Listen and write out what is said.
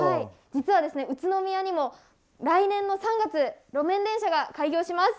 実は宇都宮にも来年の３月路面電車が開業します。